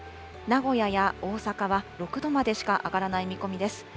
名古屋や大阪は６度までしか上がらない見込みです。